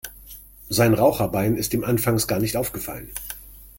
Sein Raucherbein ist ihm anfangs gar nicht aufgefallen.